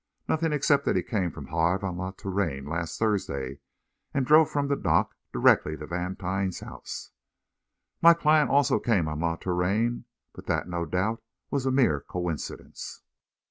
"Nothing except that he came from Havre on La Touraine last Thursday, and drove from the dock direct to Vantine's house." "My client also came on La Touraine but that, no doubt, was a mere coincidence."